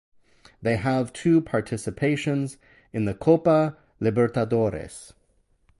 They have two participations in the Copa Libertadores.